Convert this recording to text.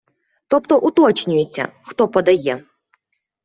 Тобто уточнюється, хто подає.